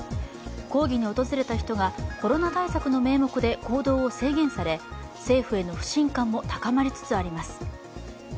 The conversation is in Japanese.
抗議に訪れた人がコロナ対策の名目で行動を制限され政府への不信感も高まりつつあります。